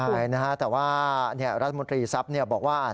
ใช่นะฮะแต่ว่ารัฐมนตรีทรัพย์บอกว่า